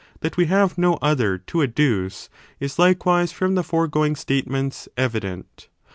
d that we have no other to addube, is likewise from by a reference the foregofaig statements evident.